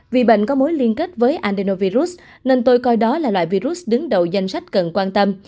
vì bệnh có mối liên kết với andenovirus nên tôi coi đó là loại virus đứng đầu danh sách cần quan tâm